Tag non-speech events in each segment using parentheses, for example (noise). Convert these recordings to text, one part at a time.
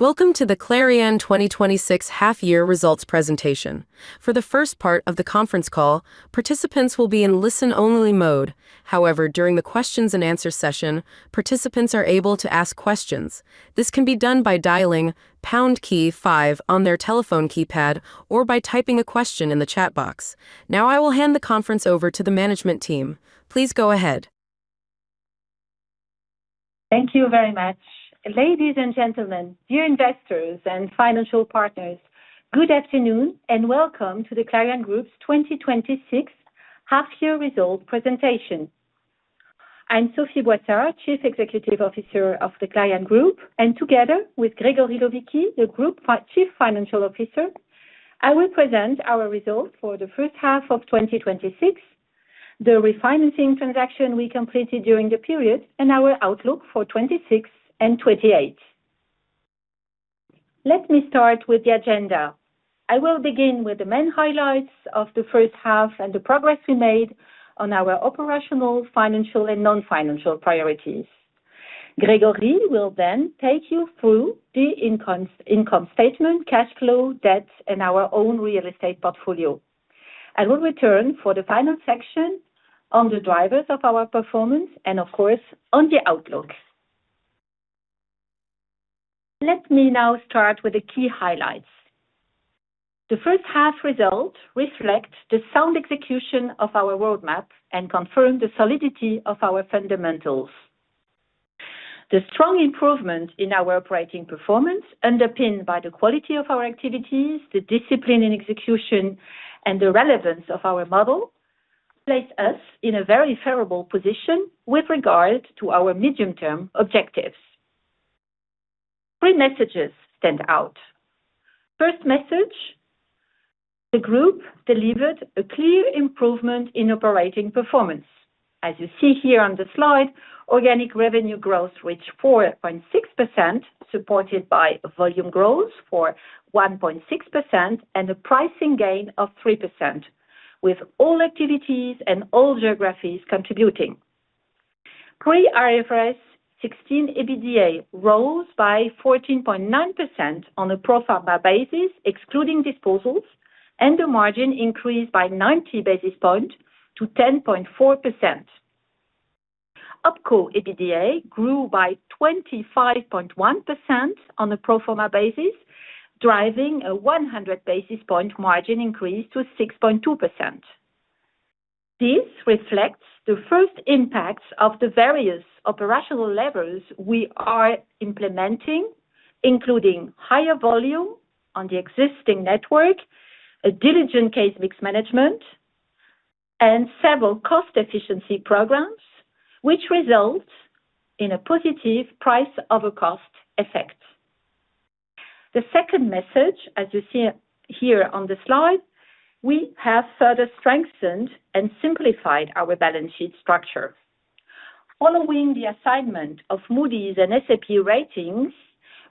Welcome to the Clariane 2026 half-year results presentation. For the first part of the conference call, participants will be in listen-only mode. However, during the questions and answer session, participants are able to ask questions. This can be done by dialing pound key five on their telephone keypad or by typing a question in the chat box. Now I will hand the conference over to the management team. Please go ahead. Thank you very much. Ladies and gentlemen, dear investors and financial partners, good afternoon and welcome to the Clariane Group's 2026 half-year results presentation. I am Sophie Boissard, Chief Executive Officer of the Clariane Group, and together with Grégory Lovichi, the Group Chief Financial Officer, I will present our results for the first half of 2026, the refinancing transaction we completed during the period, and our outlook for 2026 and 2028. Let me start with the agenda. I will begin with the main highlights of the first half and the progress we made on our operational, financial, and non-financial priorities. Grégory will then take you through the income statement, cash flow, debt, and our own real estate portfolio. I will return for the final section on the drivers of our performance and of course, on the outlook. Let me now start with the key highlights. The first half results reflect the sound execution of our roadmap and confirm the solidity of our fundamentals. The strong improvement in our operating performance, underpinned by the quality of our activities, the discipline in execution, and the relevance of our model, place us in a very favorable position with regard to our medium-term objectives. Three messages stand out. First message, the Group delivered a clear improvement in operating performance. As you see here on the slide, organic revenue growth reached 4.6%, supported by volume growth for 1.6% and a pricing gain of 3%, with all activities and all geographies contributing. Pre-IFRS 16 EBITDA rose by 14.9% on a pro forma basis excluding disposals, and the margin increased by 90 basis points to 10.4%. Opco EBITDA grew by 25.1% on a pro forma basis, driving a 100 basis point margin increase to 6.2%. This reflects the first impacts of the various operational levers we are implementing, including higher volume on the existing network, a diligent case mix management, and several cost efficiency programs, which results in a positive price-over-cost effect. Second message, as you see here on the slide, we have further strengthened and simplified our balance sheet structure. Following the assignment of Moody's and S&P ratings,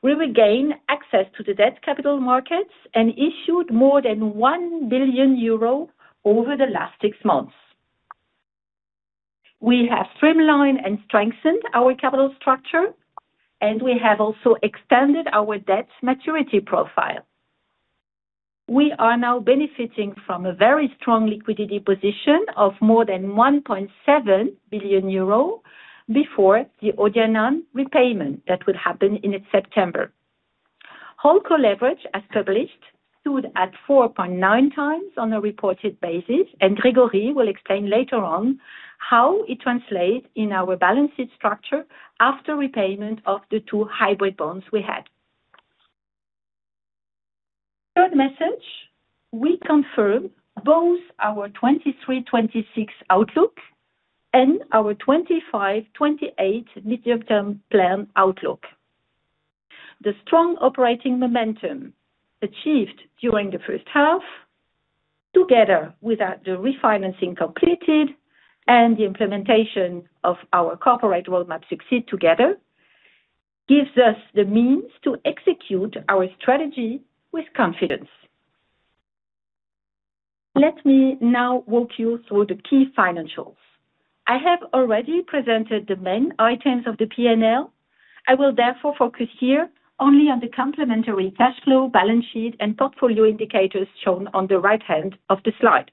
we will gain access to the debt capital markets and issued more than 1 billion euro over the last six months. We have streamlined and strengthened our capital structure, and we have also extended our debt maturity profile. We are now benefiting from a very strong liquidity position of more than 1.7 billion euro before the ODIRNANE repayment that would happen in September. Holdco leverage as published stood at 4.9x on a reported basis, Grégory will explain later on how it translates in our balance sheet structure after repayment of the two hybrid bonds we had. Third message, we confirm both our 2023/2026 outlook and our 2025/2028 midterm plan outlook. The strong operating momentum achieved during the first half, together with the refinancing completed and the implementation of our corporate roadmap Succeed Together, gives us the means to execute our strategy with confidence. Let me now walk you through the key financials. I have already presented the main items of the P&L. I will therefore focus here only on the complementary cash flow, balance sheet, and portfolio indicators shown on the right hand of the slide.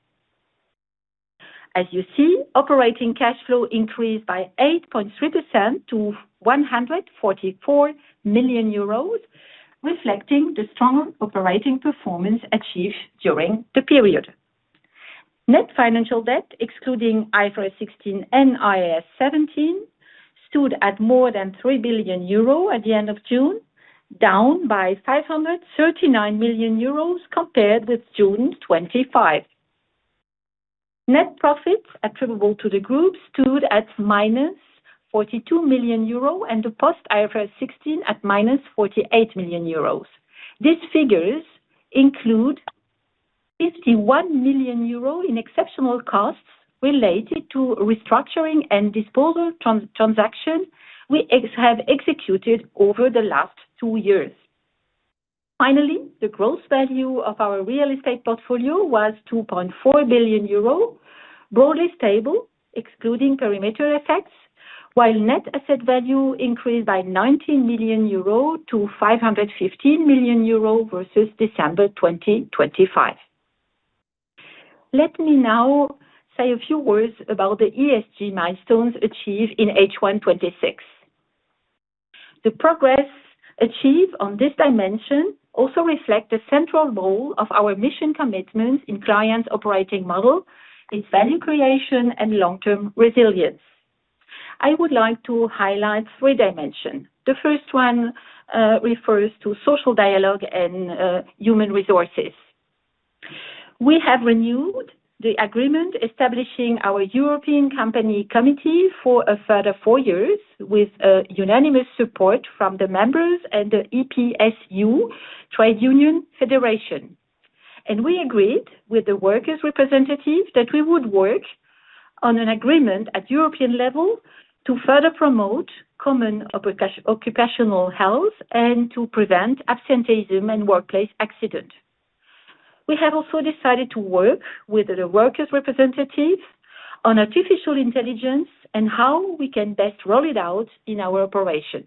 As you see, operating cash flow increased by 8.3% to 144 million euros, reflecting the strong operating performance achieved during the period. Net financial debt, excluding IFRS 16 and IAS 17, stood at more than 3 billion euro at the end of June, down by 539 million euros compared with June 2025. Net profit attributable to the Group stood at -42 million euro, and the post-IFRS 16 at -48 million euros. These figures include 51 million euro in exceptional costs related to restructuring and disposal transactions we have executed over the last two years. Finally, the gross value of our real estate portfolio was 2.4 billion euro, broadly stable excluding perimeter effects, while net asset value increased by 90 million euro to 515 million euro versus December 2025. Let me now say a few words about the ESG milestones achieved in H1 2026. The progress achieved on this dimension also reflect the central role of our mission commitment in Clariane's operating model, its value creation, and long-term resilience. I would like to highlight three dimensions. The first one refers to social dialogue and human resources. We have renewed the agreement establishing our European company committee for a further four years with unanimous support from the members and the EPSU Trade Union Federation. We agreed with the workers' representatives that we would work on an agreement at European level to further promote common occupational health and to prevent absenteeism and workplace accident. We have also decided to work with the workers' representatives on artificial intelligence and how we can best roll it out in our operation.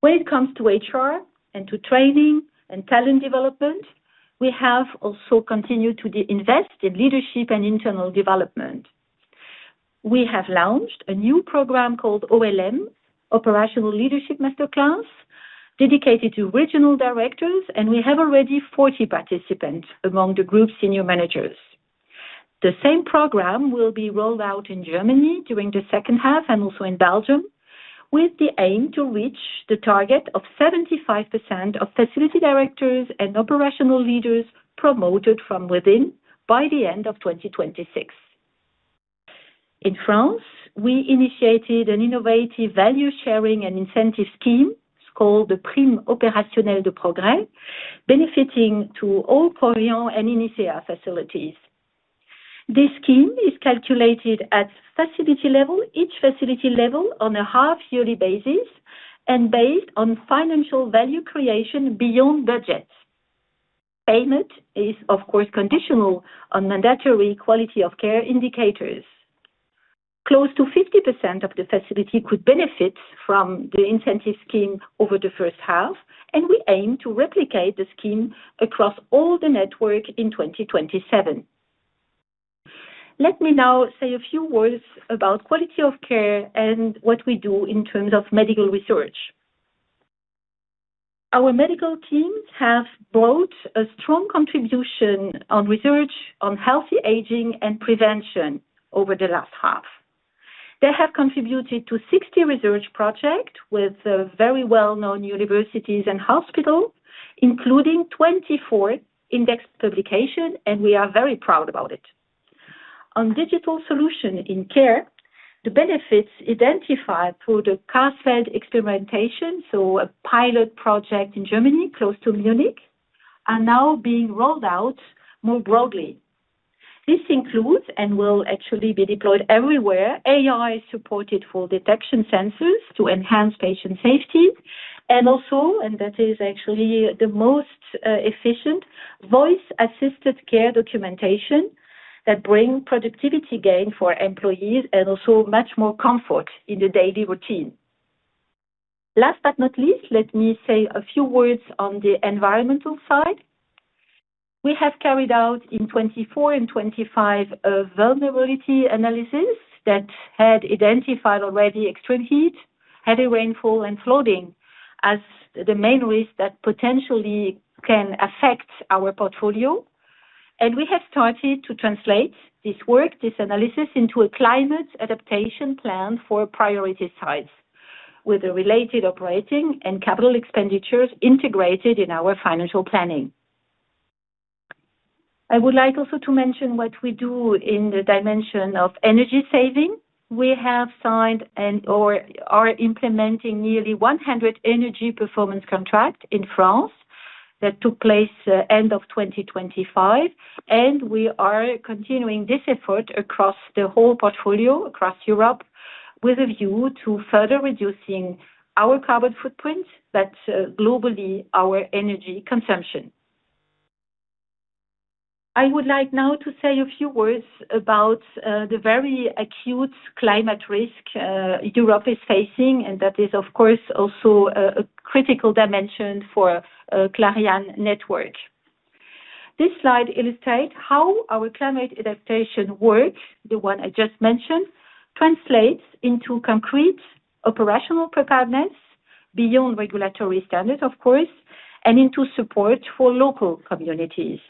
When it comes to HR and to training and talent development, we have also continued to invest in leadership and internal development. We have launched a new program called OLM, Operational Leadership Masterclass, dedicated to regional directors, and we have already 40 participants among the Group senior managers. The same program will be rolled out in Germany during the second half and also in Belgium, with the aim to reach the target of 75% of facility directors and operational leaders promoted from within by the end of 2026. In France, we initiated an innovative value-sharing and incentive scheme. It's called the Prime Opérationnelle de Progrès, benefiting to all Korian and Inicea facilities. This scheme is calculated at facility level, on a half-yearly basis and based on financial value creation beyond budget. Payment is, of course, conditional on mandatory quality of care indicators. Close to 50% of the facility could benefit from the incentive scheme over the first half, We aim to replicate the scheme across all the network in 2027. Let me now say a few words about quality of care and what we do in terms of medical research. Our medical teams have brought a strong contribution on research on healthy aging and prevention over the last half. They have contributed to 60 research projects with very well-known universities and hospitals, including 24 indexed publications, and we are very proud about it. On digital solution in care, the benefits identified through the CAST experimentations, so a pilot project in Germany close to Munich, are now being rolled out more broadly. This includes and will actually be deployed everywhere, AI-supported full detection sensors to enhance patient safety and also, and that is actually the most efficient, voice-assisted care documentation that bring productivity gain for employees and also much more comfort in the daily routine. Last but not least, let me say a few words on the environmental side. We have carried out in 2024 and 2025 a vulnerability analysis that had identified already extreme heat, heavy rainfall, and flooding as the main risk that potentially can affect our portfolio. We have started to translate this work, this analysis, into a climate adaptation plan for priority sites, with the related operating and capital expenditures integrated in our financial planning. I would like also to mention what we do in the dimension of energy saving. We have signed and/or are implementing nearly 100 energy performance contracts in France that took place end of 2025, and we are continuing this effort across the whole portfolio across Europe with a view to further reducing our carbon footprint, but globally, our energy consumption. I would like now to say a few words about the very acute climate risk Europe is facing, and that is, of course, also a critical dimension for Clariane network. This slide illustrates how our climate adaptation work, the one I just mentioned, translates into concrete operational preparedness beyond regulatory standards, of course, and into support for local communities.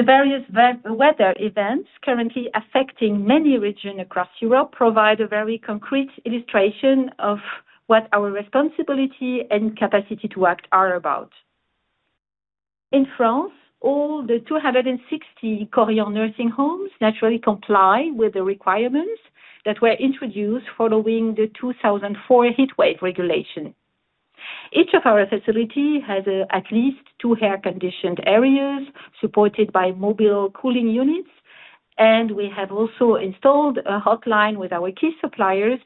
The various weather events currently affecting many regions across Europe provide a very concrete illustration of what our responsibility and capacity to act are about. In France, all the 260 Korian nursing homes naturally comply with the requirements that were introduced following the 2004 heatwave regulation. Each of our facilities has at least two air-conditioned areas supported by mobile cooling units. We have also installed a hotline with our key suppliers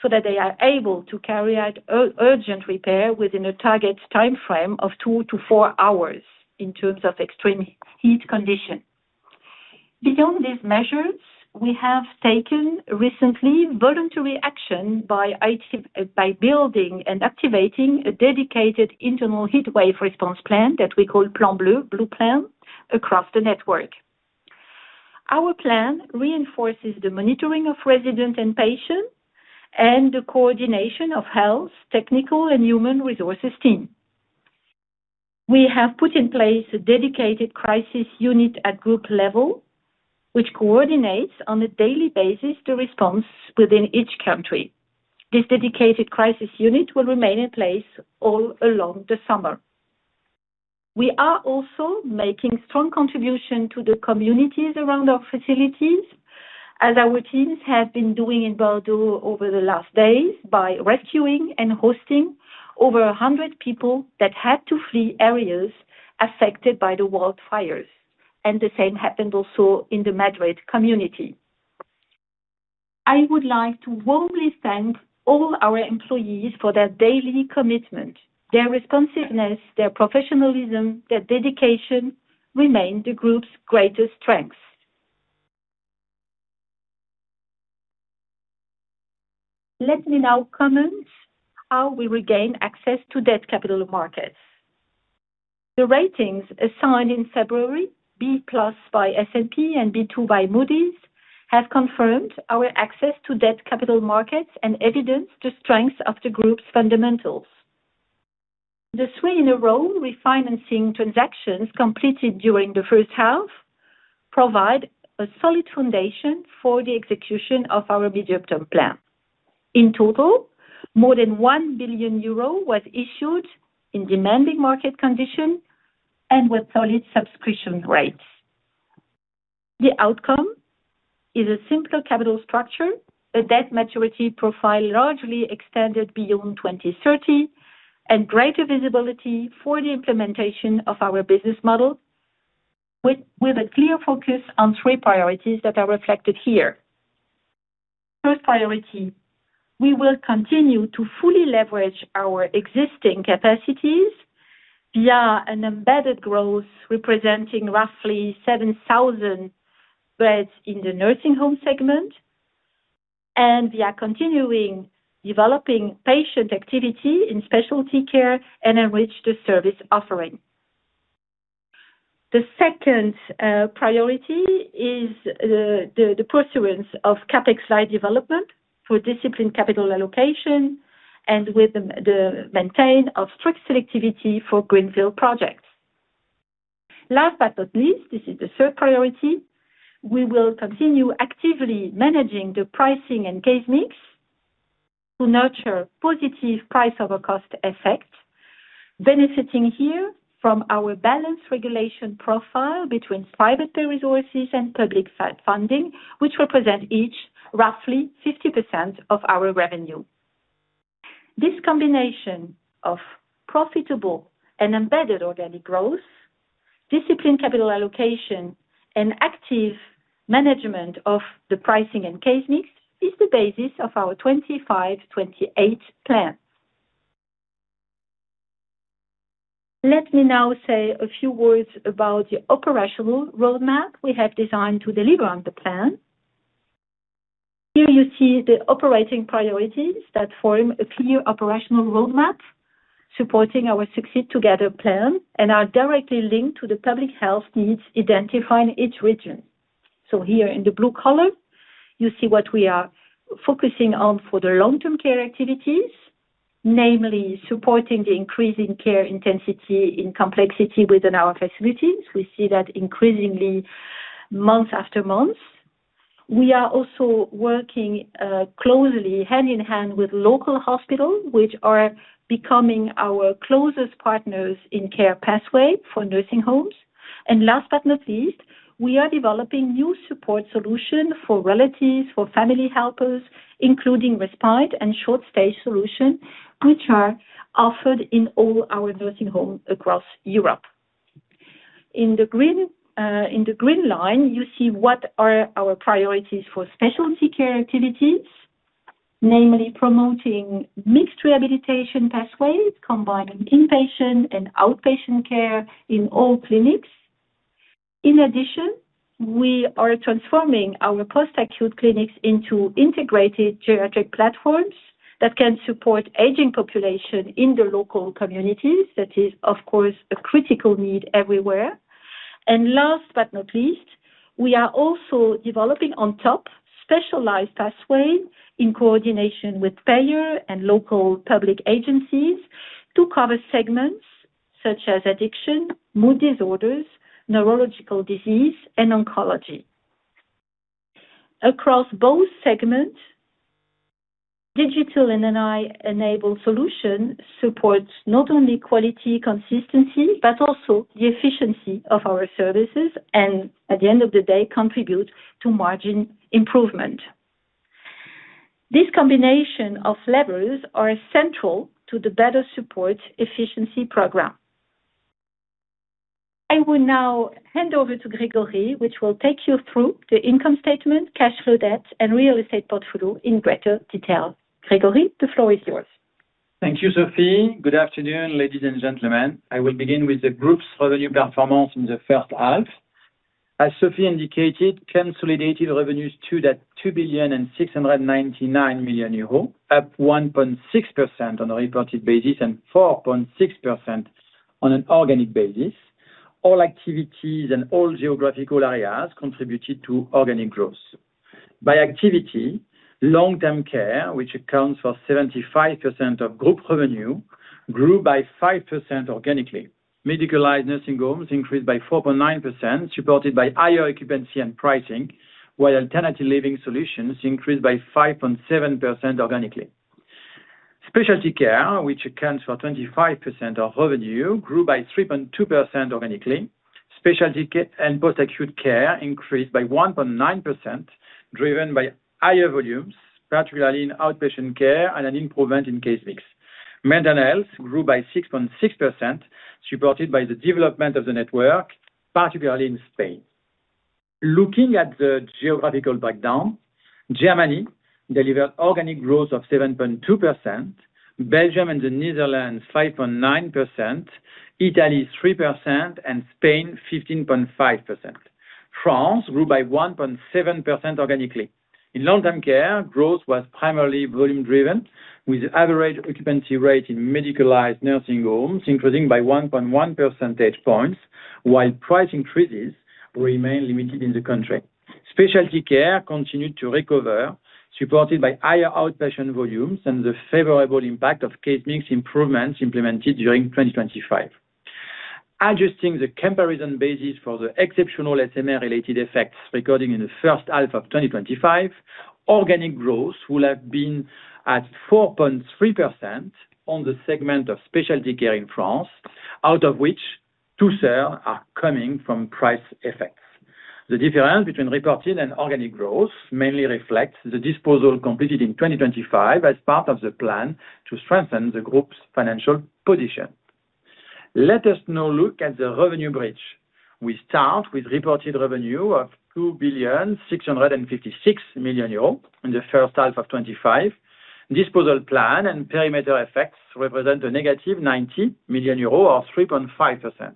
so that they are able to carry out urgent repair within a target time frame of two to four hours in terms of extreme heat condition. Beyond these measures, we have taken recently voluntary action by building and activating a dedicated internal heat wave response plan that we call Plan Bleu, Blue Plan, across the network. Our plan reinforces the monitoring of residents and patients and the coordination of health, technical, and human resources team. We have put in place a dedicated crisis unit at group level, which coordinates on a daily basis the response within each country. This dedicated crisis unit will remain in place all along the summer. We are also making strong contribution to the communities around our facilities, as our teams have been doing in Bordeaux over the last days, by rescuing and hosting over 100 people that had to flee areas affected by the wildfires. The same happened also in the Madrid community. I would like to warmly thank all our employees for their daily commitment. Their responsiveness, their professionalism, their dedication remain the group's greatest strengths. Let me now comment how we regain access to debt capital markets. The ratings assigned in February, B+ by S&P and B2 by Moody's, have confirmed our access to debt capital markets and evidence the strength of the group's fundamentals. The swing in the roll refinancing transactions completed during the first half provide a solid foundation for the execution of our medium-term plan. In total, more than 1 billion euro was issued in demanding market condition and with solid subscription rates. The outcome is a simpler capital structure, a debt maturity profile largely extended beyond 2030, and greater visibility for the implementation of our business model, with a clear focus on three priorities that are reflected here. First priority, we will continue to fully leverage our existing capacities via an embedded growth representing roughly 7,000 beds in the nursing home segment. We are continuing developing patient activity in specialty care and enrich the service offering. The second priority is the pursuance of CapEx light development for disciplined capital allocation and with the maintain of strict selectivity for greenfield projects. Last but not least, this is the third priority, we will continue actively managing the pricing and case mix to nurture positive price-over-cost effect, benefiting here from our balanced regulation profile between private pay resources and public funding, which represent each roughly 50% of our revenue. This combination of profitable and embedded organic growth, disciplined capital allocation, and active management of the pricing and case mix is the basis of our 2025, 2028 plan. Let me now say a few words about the operational roadmap we have designed to deliver on the plan. Here you see the operating priorities that form a clear operational roadmap supporting our Succeed Together plan and are directly linked to the public health needs identifying each region. Here in the blue color, you see what we are focusing on for the long-term care activities, namely supporting the increase in care intensity and complexity within our facilities. We see that increasingly month after month. We are also working closely hand-in-hand with local hospitals, which are becoming our closest partners in care pathway for nursing homes. Last but not least, we are developing new support solution for relatives, for family helpers, including respite and short stay solution, which are offered in all our nursing homes across Europe. In the green line, you see what are our priorities for specialty care activities, namely promoting mixed rehabilitation pathways combining inpatient and outpatient care in all clinics. In addition, we are transforming our post-acute clinics into integrated geriatric platforms that can support aging population in the local communities. That is, of course, a critical need everywhere. Last but not least, we are also developing on top specialized pathway in coordination with payer and local public agencies to cover segments such as addiction, mood disorders, neurological disease, and oncology. Across both segments, digital and AI-enabled solutions support not only quality consistency, but also the efficiency of our services, and at the end of the day, contribute to margin improvement. This combination of levers is central to the better support efficiency program. I will now hand over to Grégory, who will take you through the income statement, cash flow debt, and real estate portfolio in greater detail. Grégory, the floor is yours. Thank you, Sophie. Good afternoon, ladies and gentlemen. I will begin with the group's revenue performance in the first half. As Sophie indicated, consolidated revenues stood at 2,699 million euro, up 1.6% on a reported basis and 4.6% on an organic basis. All activities and all geographical areas contributed to organic growth. By activity, long-term care, which accounts for 75% of group revenue, grew by 5% organically. Medicalized nursing homes increased by 4.9%, supported by higher occupancy and pricing, while alternative living solutions increased by 5.7% organically. Specialty care, which accounts for 25% of revenue, grew by 3.2% organically. Specialty care and post-acute care increased by 1.9%, driven by higher volumes, particularly in outpatient care, and an improvement in case mix. Mental health grew by 6.6%, supported by the development of the network, particularly in Spain. Looking at the geographical breakdown, Germany delivered organic growth of 7.2%, Belgium and the Netherlands 5.9%, Italy 3%, and Spain 15.5%. France grew by 1.7% organically. In long-term care, growth was primarily volume driven, with average occupancy rate in medicalized nursing homes increasing by 1.1 percentage points, while price increases remain limited in the country. Specialty care continued to recover, supported by higher outpatient volumes and the favorable impact of case mix improvements implemented during 2025. Adjusting the comparison basis for the exceptional SMR-related effects recording in the first half of 2025, organic growth would have been at 4.3% on the segment of specialty care in France, out of which two sales are coming from price effects. The difference between reported and organic growth mainly reflects the disposal completed in 2025 as part of the plan to strengthen the group's financial position. Let us now look at the revenue bridge. We start with reported revenue of 2,656 million euros in the first half of 2025. Disposal plan and perimeter effects represent a -90 million euros, or 3.5%.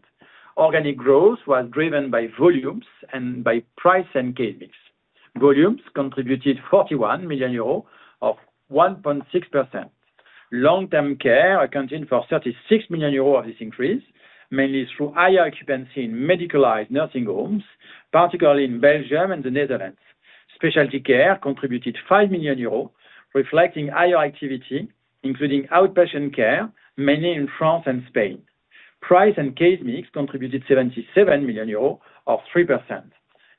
Organic growth was driven by volumes and by price and case mix. Volumes contributed 41 million euros of 1.6%. Long-term care accounted for 36 million euros of this increase, mainly through higher occupancy in medicalized nursing homes, particularly in Belgium and the Netherlands. Specialty care contributed 5 million euros, reflecting higher activity, including outpatient care, mainly in France and Spain. Price and case mix contributed 77 million euros, or 3%.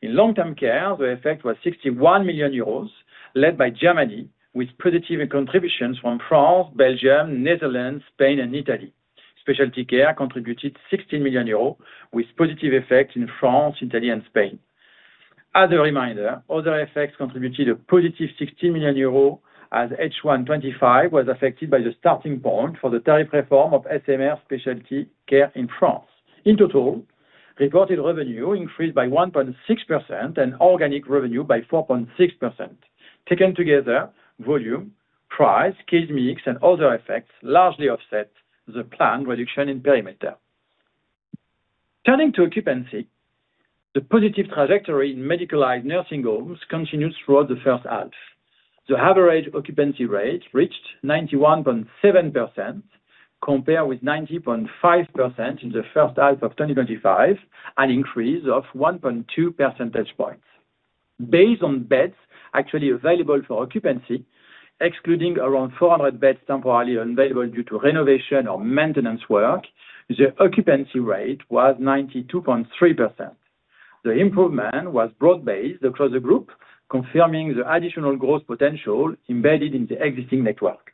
In long-term care, the effect was 61 million euros, led by Germany, with positive contributions from France, Belgium, Netherlands, Spain, and Italy. Specialty care contributed 16 million euros with positive effect in France, Italy, and Spain. As a reminder, other effects contributed a positive 16 million euros, as H1 2025 was affected by the starting point for the tariff reform of SMR specialty care in France. In total, reported revenue increased by 1.6% and organic revenue by 4.6%. Taken together, volume, price, case mix, and other effects largely offset the planned reduction in perimeter. Turning to occupancy, the positive trajectory in medicalized nursing homes continues throughout the first half. The average occupancy rate reached 91.7%, compared with 90.5% in the first half of 2025, an increase of 1.2 percentage points. Based on beds actually available for occupancy, excluding around 400 beds temporarily unavailable due to renovation or maintenance work, the occupancy rate was 92.3%. The improvement was broad based across the group, confirming the additional growth potential embedded in the existing network.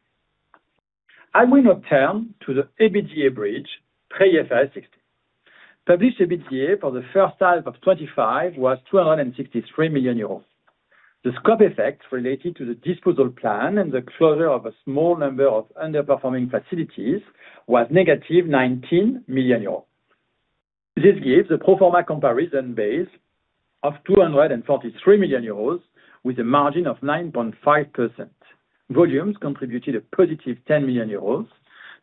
I will now turn to the EBITDA bridge, Trelli FI16. Published EBITDA for the first half of 2025 was 263 million euros. The scope effects related to the disposal plan and the closure of a small number of underperforming facilities was -19 million euros. This gives a pro forma comparison base of 243 million euros with a margin of 9.5%. Volumes contributed a positive 10 million euros.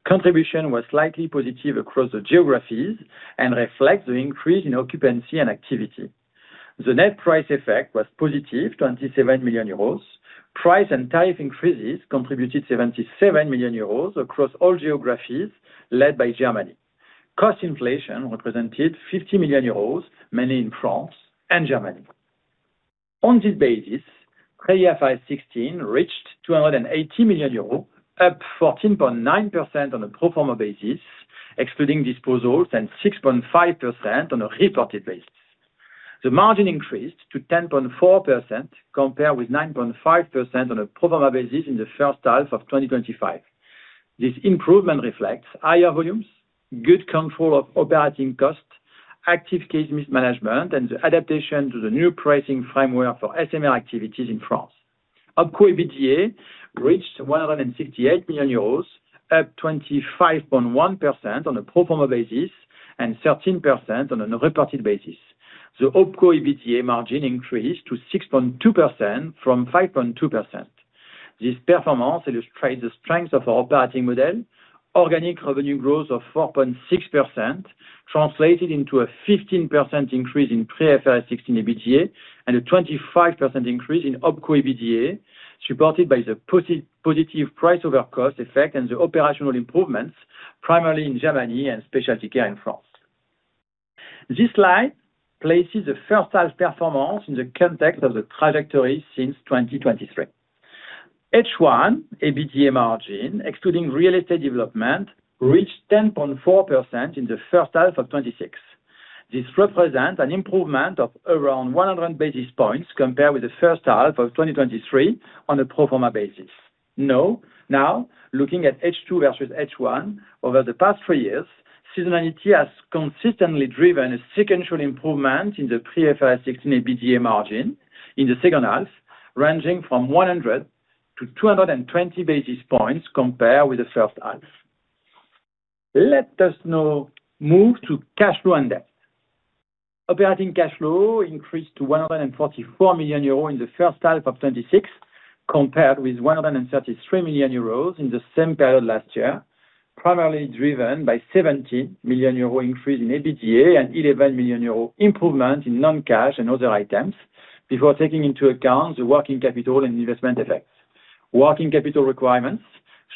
Contribution was slightly positive across the geographies and reflects the increase in occupancy and activity. The net price effect was positive 27 million euros. Price and tariff increases contributed 77 million euros across all geographies, led by Germany. Cost inflation represented 50 million euros, mainly in France and Germany. On this basis, Pre-IFRS 16 reached 280 million euros, up 14.9% on a pro forma basis, excluding disposals, and 6.5% on a reported basis. The margin increased to 10.4%, compared with 9.5% on a pro forma basis in the first half of 2025. This improvement reflects higher volumes, good control of operating costs, active case management, and the adaptation to the new pricing framework for SMR activities in France. Opco EBITDA reached 168 million euros, up 25.1% on a pro forma basis and 13% on a reported basis. The Opco EBITDA margin increased to 6.2% from 5.2%. This performance illustrates the strength of our operating model. Organic revenue growth of 4.6% translated into a 15% increase in pre-IFRS 16 EBITDA and a 25% increase in Opco EBITDA, supported by the positive price over cost effect and the operational improvements, primarily in Germany and specialty care in France. This slide places the first half performance in the context of the trajectory since 2023. H1 EBITDA margin, excluding real estate development, reached 10.4% in the first half of 2026. This represents an improvement of around 100 basis points compared with the first half of 2023 on a pro forma basis. Looking at H2 versus H1, over the past three years, seasonality has consistently driven a sequential improvement in the pre-IFRS 16 EBITDA margin in the second half, ranging from 100 to 220 basis points compared with the first half. Let us now move to cash flow and debt. Operating cash flow increased to 144 million euros in the first half of 2026, compared with 133 million euros in the same period last year, primarily driven by 70 million euros increase in EBITDA and 11 million euros improvement in non-cash and other items, before taking into account the working capital and investment effects. Working capital requirements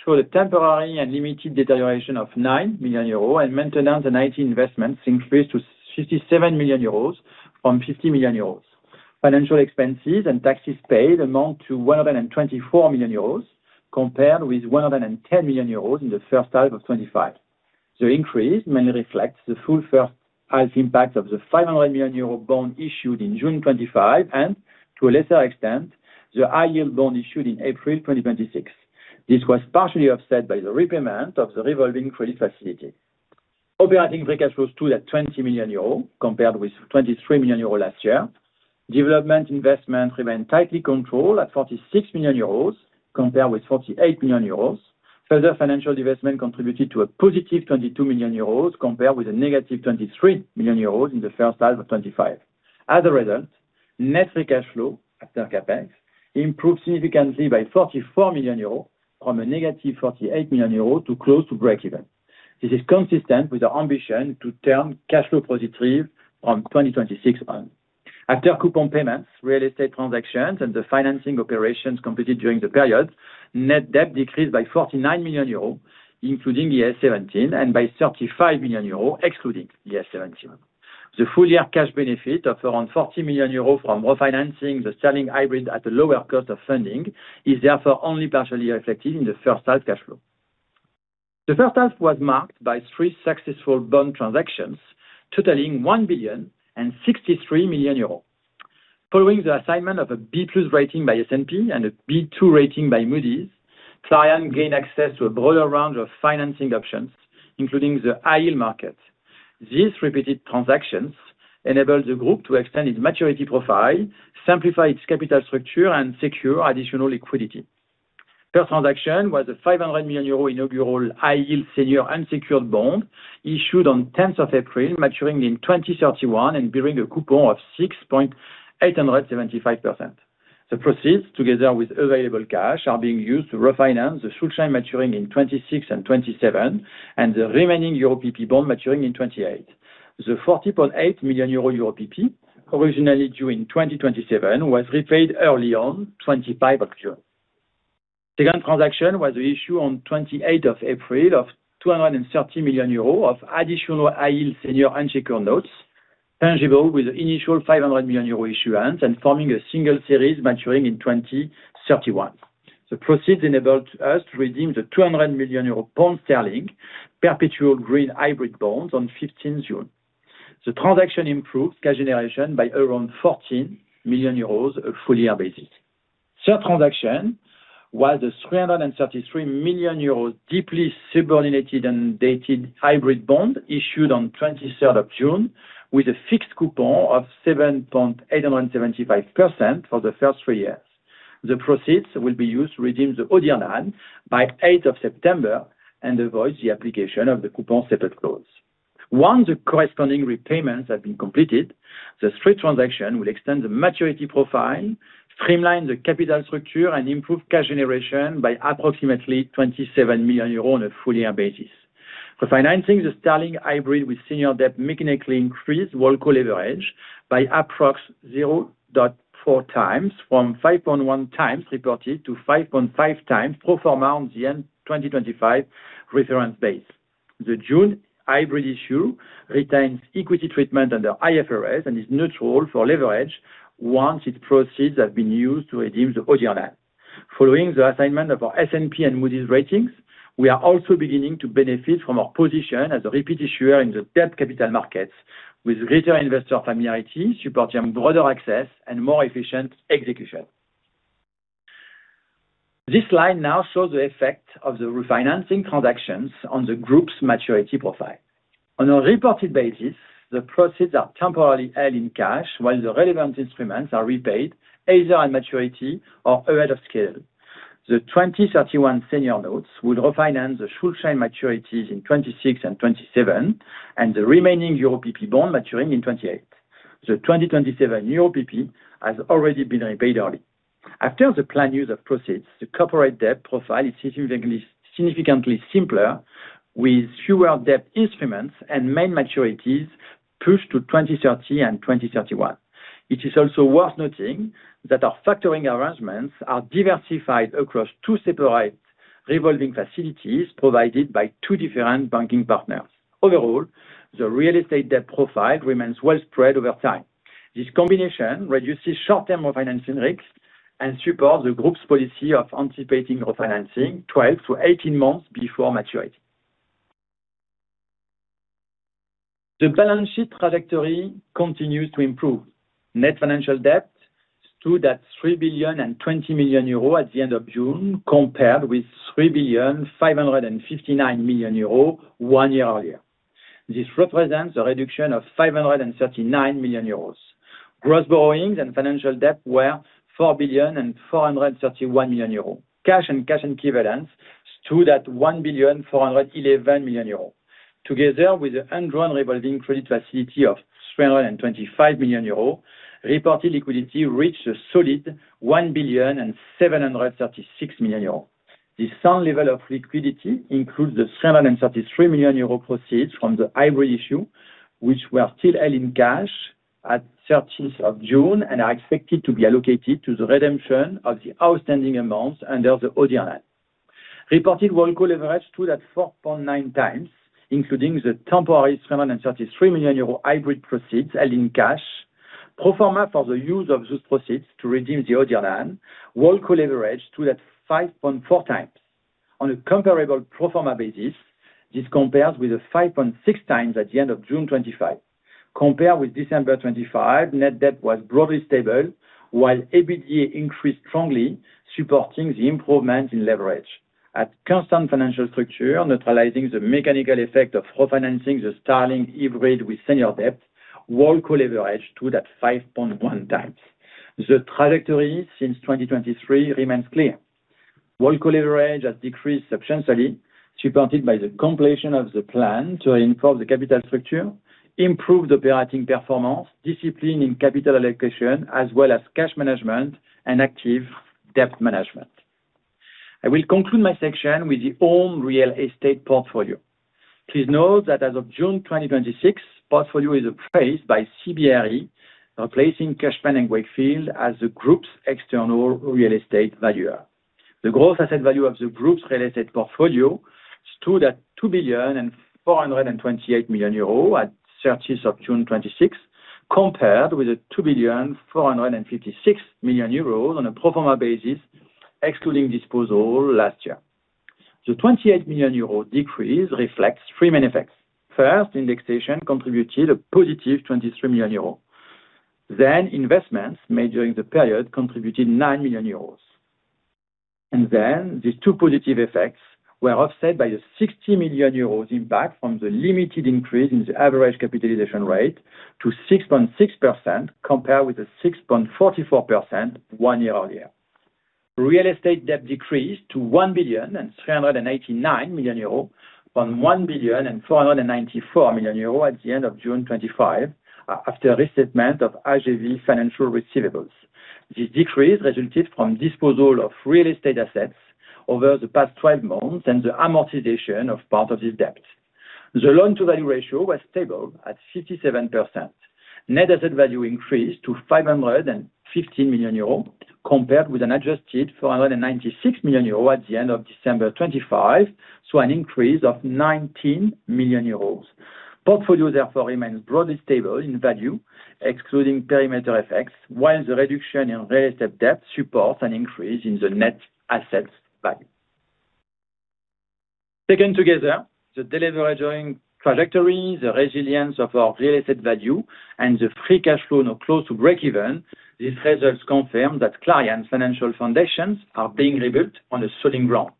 show a temporary and limited deterioration of 9 million euros and maintenance and IT investments increased to 57 million euros from 50 million euros. Financial expenses and taxes paid amount to 124 million euros, compared with 110 million euros in the first half of 2025. The increase mainly reflects the full first half impact of the 500 million euro bond issued in June 2025 and, to a lesser extent, the high-yield bond issued in April 2026. This was partially offset by the repayment of the revolving credit facility. Operating free cash flow stood at 20 million euros, compared with 23 million euros last year. Development investment remained tightly controlled at 46 million euros, compared with 48 million euros. Further financial divestment contributed to a +22 million euros, compared with a -23 million euros in the first half of 2025. As a result, net free cash flow after CapEx improved significantly by 44 million euros from a -48 million euros to close to breakeven. This is consistent with our ambition to turn cash flow positive from 2026 on. After coupon payments, real estate transactions, and the financing operations completed during the period, net debt decreased by 49 million euros, including the IAS 17, and by 35 million euros, excluding the IAS 17. The full-year cash benefit of around 40 million euros from refinancing the sterling hybrid at a lower cost of funding is therefore only partially reflected in the first half cash flow. The first half was marked by three successful bond transactions totaling 1 billion and 63 million euros. Following the assignment of a B+ rating by S&P and a B2 rating by Moody's, Clariane gained access to a broader range of financing options, including the high-yield market. These repeated transactions enabled the group to extend its maturity profile, simplify its capital structure, and secure additional liquidity. First transaction was a 500 million euro inaugural high-yield senior unsecured bond issued on 10th of April, maturing in 2031 and bearing a coupon of 6.875%. The proceeds, together with available cash, are being used to refinance the full term maturing in 2026 and 2027 and the remaining EuroPP bond maturing in 2028. The 40.8 million euro EuroPP, originally due in 2027, was repaid early on 25th October. Second transaction was the issue on 28th of April of 230 million euros of additional high-yield senior unsecured notes, fungible with initial 500 million euro issuance and forming a single series maturing in 2031. The proceeds enabled us to redeem the 200 million pound sterling perpetual green hybrid bonds on 15th June. The transaction improved cash generation by around 14 million euros a full-year basis. Third transaction was a 333 million euros deeply subordinated and dated hybrid bond issued on 23rd of June with a fixed coupon of 7.875% for the first three years. The proceeds will be used to redeem the ODIRNANE by 8th of September and avoid the application of the coupon separate clause. Once the corresponding repayments have been completed, the three transaction will extend the maturity profile, streamline the capital structure, and improve cash generation by approximately 27 million euros on a full-year basis. Refinancing the sterling hybrid with senior debt mechanically increased group leverage by approximately 0.4x from 5.1x reported to 5.5x pro forma on the end 2025 reference base. The June hybrid issue retains equity treatment under IFRS and is neutral for leverage once its proceeds have been used to redeem the ODIRNANE. Following the assignment of our S&P and Moody's ratings, we are also beginning to benefit from our position as a repeat issuer in the debt capital markets with greater investor familiarity supporting broader access and more efficient execution. This slide now shows the effect of the refinancing transactions on the group's maturity profile. On a reported basis, the proceeds are temporarily held in cash while the relevant instruments are repaid either on maturity or ahead of schedule. The 2031 senior notes will refinance the Schuldschein maturities in 2026 and 2027 and the remaining Euro PP maturing in 2028. The 2027 Euro PP has already been repaid early. After the planned use of proceeds, the corporate debt profile is significantly simpler, with fewer debt instruments and main maturities pushed to 2030 and 2031. It is also worth noting that our factoring arrangements are diversified across two separate revolving facilities provided by two different banking partners. Overall, the real estate debt profile remains well spread over time. This combination reduces short-term refinancing risks and supports the group's policy of anticipating refinancing 12-18 months before maturity. The balance sheet trajectory continues to improve. Net financial debt stood at 3.02 billion at the end of June, compared with 3.559 billion one year earlier. This represents a reduction of 539 million euros. Gross borrowings and financial debt were 4.431 billion. Cash and cash equivalents stood at 1.411 billion. Together with the undrawn revolving credit facility of 325 million euros, reported liquidity reached a solid 1.736 billion. This sound level of liquidity includes the 733 million euros proceeds from the hybrid issue, which were still held in cash at June 13th and are expected to be allocated to the redemption of the outstanding amounts under the ODN. Reported group leverage stood at 4.9x, including the temporary 733 million euro hybrid proceeds held in cash. Pro forma for the use of those proceeds to redeem the ODN group leverage stood at 5.4x. On a comparable pro forma basis, this compares with 5.6x at the end of June 2025. Compared with December 2025, net debt was broadly stable, while EBITDA increased strongly, supporting the improvement in leverage. At constant financial structure, neutralizing the mechanical effect of refinancing the sterling hybrid with senior debt, group leverage stood at 5.1x. The trajectory since 2023 remains clear. Group leverage has decreased substantially, supported by the completion of the plan to reinforce the capital structure, improve the operating performance, discipline in capital allocation, as well as cash management and active debt management. I will conclude my section with the own real estate portfolio. Please note that as of June 2026, portfolio is appraised by CBRE Group, replacing Cushman & Wakefield as the group's external real estate valuer. The gross asset value of the group's real estate portfolio stood at 2.428 billion at June 30th, 2026, compared with 2.456 billion on a pro forma basis, excluding disposal last year. The 28 million euro decrease reflects three main effects. First, indexation contributed a positive 23 million euros. Investments made during the period contributed 9 million euros. These two positive effects were offset by a 60 million euros impact from the limited increase in the average capitalization rate to 6.6%, compared with the 6.44% one year earlier. Real estate debt decreased to 1.389 billion from 1.494 billion at the end of June 2025, after restatement of IJV financial receivables. This decrease resulted from disposal of real estate assets over the past 12 months and the amortization of part of this debt. The loan-to-value ratio was stable at 57%. Net asset value increased to 515 million euros, compared with an adjusted 496 million euros at the end of December 2025, so an increase of 19 million euros. Portfolio therefore remains broadly stable in value, excluding perimeter effects, while the reduction in real estate debt supports an increase in the net assets value. Taken together, the deleveraging trajectory, the resilience of our real estate value, and the free cash flow now close to break even, these results confirm that Clariane's financial foundations are being rebuilt on a solid ground.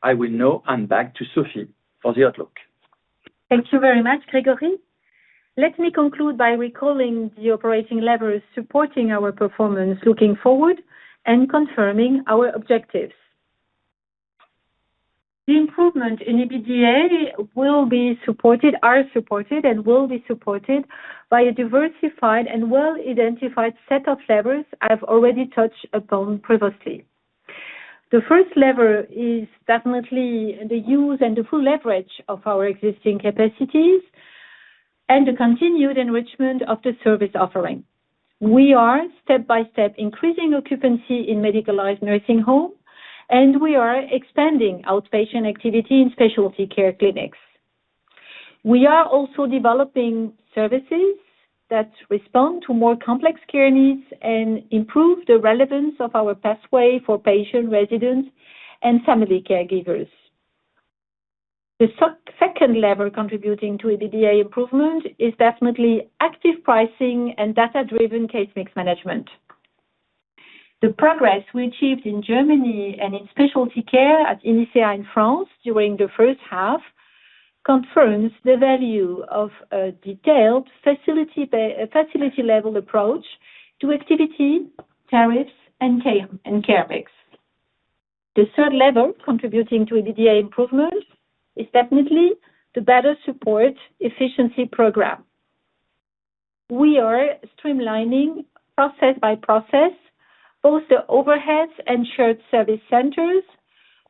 I will now hand back to Sophie for the outlook. Thank you very much, Grégory. Let me conclude by recalling the operating levers supporting our performance looking forward and confirming our objectives. The improvement in EBITDA will be supported, are supported, and will be supported by a diversified and well-identified set of levers I have already touched upon previously. The first lever is definitely the use and the full leverage of our existing capacities and the continued enrichment of the service offering. We are step-by-step increasing occupancy in medicalized nursing home, and we are expanding outpatient activity in specialty care clinics. We are also developing services that respond to more complex care needs and improve the relevance of our pathway for patient residents and family caregivers. The second lever contributing to EBITDA improvement is definitely active pricing and data-driven case mix management. The progress we achieved in Germany and in specialty care at Inicea in France during the first half confirms the value of a detailed facility level approach to activity, tariffs, and care mix. The third lever contributing to EBITDA improvements is definitely the better support efficiency program. We are streamlining process by process, both the overheads and shared service centers.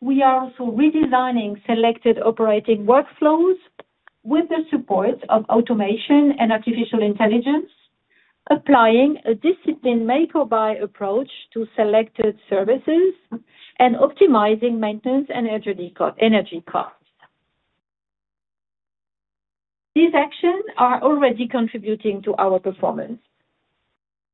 We are also redesigning selected operating workflows with the support of automation and artificial intelligence, applying a disciplined make or buy approach to selected services, and optimizing maintenance and energy costs. These actions are already contributing to our performance.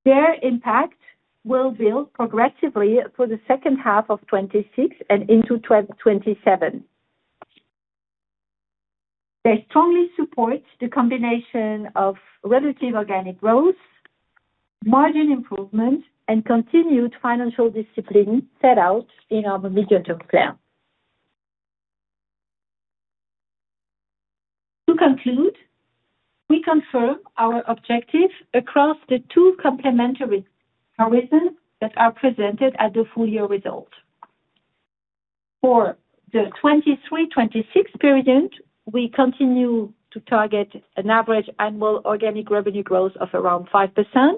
Their impact will build progressively for the second half of 2026 and into 2027. They strongly support the combination of relative organic growth, margin improvement, and continued financial discipline set out in our medium-term plan. To conclude, we confirm our objective across the two complementary horizons that are presented at the full-year result. For the 2023-2026 period, we continue to target an average annual organic revenue growth of around 5%.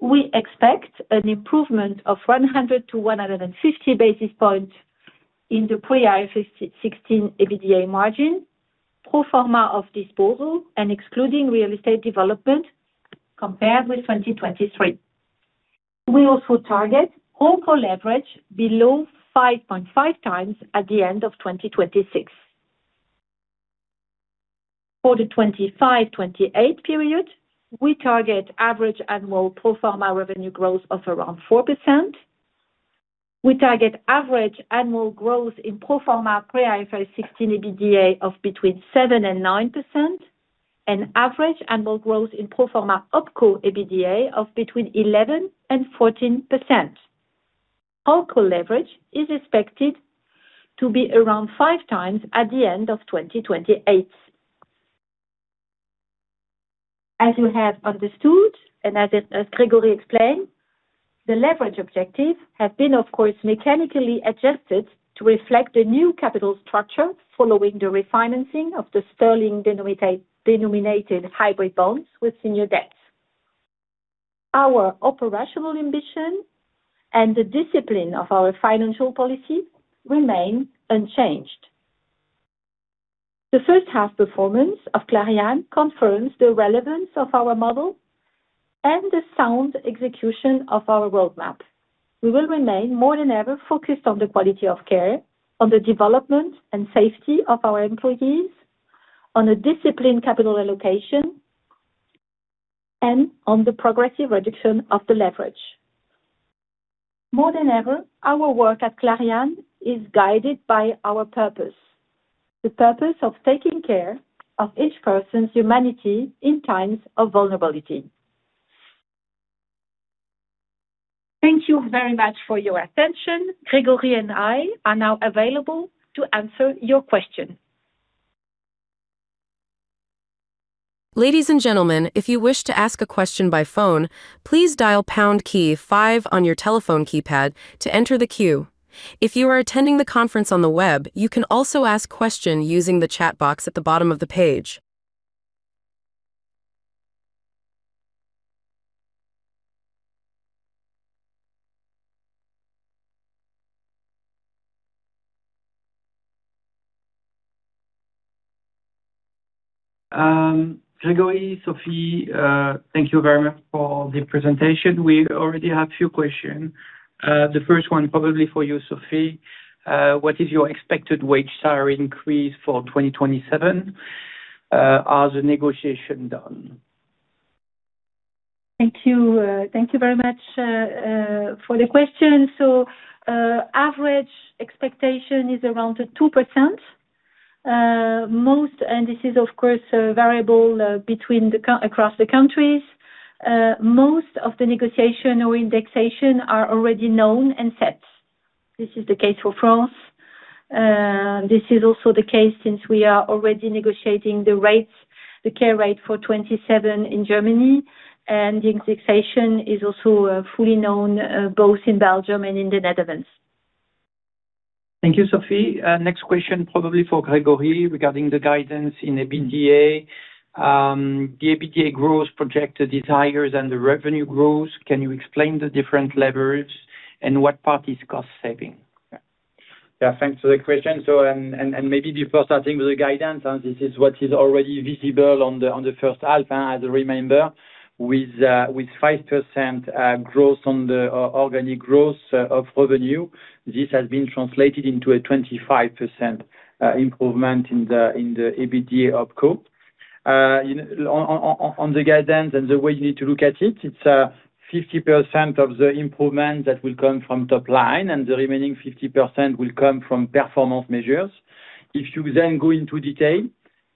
We expect an improvement of 100 to 150 basis points in the pre-IFRS 16 EBITDA margin, pro forma of disposal and excluding real estate development compared with 2023. We also target OpCo leverage below 5.5x at the end of 2026. For the 2025-2028 period, we target average annual pro forma revenue growth of around 4%. We target average annual growth in pro forma pre-IFRS 16 EBITDA of between 7% and 9%, and average annual growth in pro forma OpCo EBITDA of between 11% and 14%. OpCo leverage is expected to be around five times at the end of 2028. As you have understood, and as Grégory explained, the leverage objective has been, of course, mechanically adjusted to reflect the new capital structure following the refinancing of the sterling-denominated hybrid bonds with senior debts. Our operational ambition and the discipline of our financial policy remain unchanged. The first half performance of Clariane confirms the relevance of our model and the sound execution of our roadmap. We will remain more than ever focused on the quality of care, on the development and safety of our employees, on a disciplined capital allocation, and on the progressive reduction of the leverage. More than ever, our work at Clariane is guided by our purpose, the purpose of taking care of each person's humanity in times of vulnerability. Thank you very much for your attention. Grégory and I are now available to answer your question. Ladies and gentlemen, if you wish to ask a question by phone, please dial pound key five on your telephone keypad to enter the queue. If you are attending the conference on the web, you can also ask questions using the chat box at the bottom of the page. Grégory, Sophie, thank you very much for the presentation. We already have a few questions. The first one probably for you, Sophie. What is your expected wage salary increase for 2027? Are the negotiation done? Thank you. Thank you very much for the question. Average expectation is around 2%. This is of course, variable across the countries. Most of the negotiation or indexation are already known and set. This is the case for France. This is also the case since we are already negotiating the care rate for 2027 in Germany, and the indexation is also fully known both in Belgium and in the Netherlands. Thank you, Sophie. Next question probably for Grégory regarding the guidance in EBITDA. The EBITDA growth projected is higher than the revenue growth. Can you explain the different levers and what part is cost saving? Yeah. Thanks for the question. Maybe before starting with the guidance, this is what is already visible on the first half as a reminder, with 5% growth on the organic growth of revenue, this has been translated into a 25% improvement in the EBITDA OpCo. On the guidance and the way you need to look at it's 50% of the improvement that will come from top line, and the remaining 50% will come from performance measures. If you then go into detail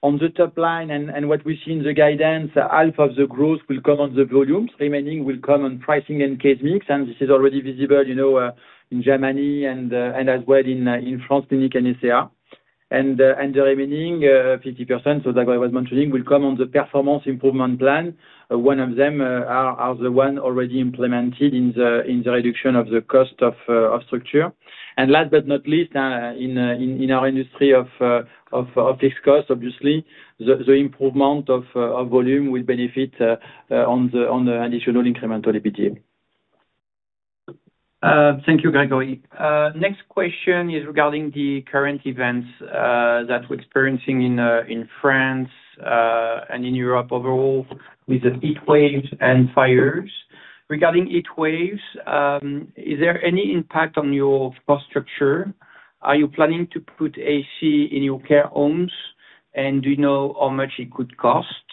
on the top line and what we see in the guidance, half of the growth will come on the volumes. Remaining will come on pricing and case mix, and this is already visible in Germany and as well in France, clinic and SCA. The remaining 50%, so like I was mentioning, will come on the performance improvement plan. One of them are the one already implemented in the reduction of the cost of structure. Last but not least, in our industry of fixed cost, obviously, the improvement of volume will benefit on the additional incremental EBITDA. Thank you, Grégory. Next question is regarding the current events that we're experiencing in France, and in Europe overall with the heat waves and fires. Regarding heat waves, is there any impact on your cost structure? Are you planning to put AC in your care homes, and do you know how much it could cost?